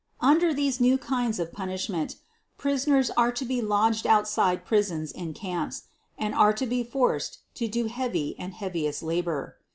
. Under these new kinds of punishment, prisoners are to be lodged outside prisons in camps and are to be forced to do heavy and heaviest labor